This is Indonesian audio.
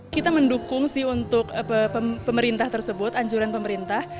kita mendukung sih untuk pemerintah tersebut anjuran pemerintah